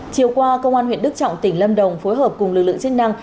chiều qua công an huyện đức trọng tỉnh lâm đồng phối hợp cùng lực lượng chức năng